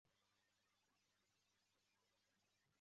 铁锈指示剂是含有铁氰化钾和酚酞的溶液。